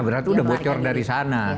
berarti udah bocor dari sana